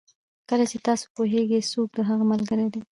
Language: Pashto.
کله چې تاسو پوهېږئ څوک د هغه ملګري دي.